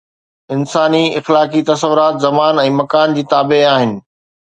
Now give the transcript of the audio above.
انساني اخلاقي تصورات زمان ۽ مڪان جي تابع آهن.